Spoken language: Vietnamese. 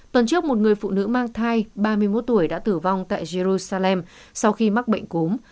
tuần trước một người phụ nữ mang thai ba mươi một tuổi đã tử vong tại jerusalem sau khi mắc bệnh cúm